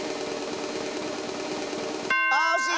あおしい！